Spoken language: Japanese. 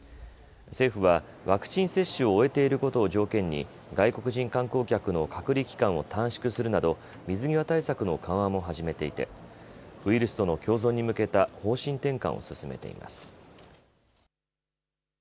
政府はワクチン接種を終えていることを条件に外国人観光客の隔離期間を短縮するなど水際対策の緩和も始めていてウイルスとの共存に向けた方針転換を進めています。